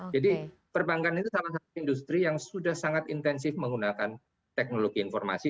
jadi perbankan itu salah satu industri yang sudah sangat intensif menggunakan teknologi informasi